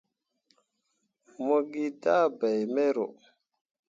Mo gi dah bai mero.